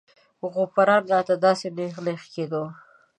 غوپران راته داسې نېغ نېغ کېدو.